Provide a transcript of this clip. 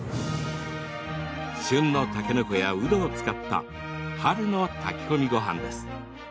旬のたけのこや、うどを使った春の炊き込みごはんです。